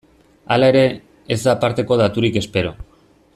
Hala ere, ez da aparteko daturik espero.